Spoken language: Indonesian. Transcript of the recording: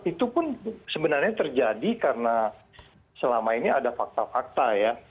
itu pun sebenarnya terjadi karena selama ini ada fakta fakta ya